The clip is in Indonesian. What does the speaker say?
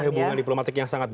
hubungan diplomatik yang sangat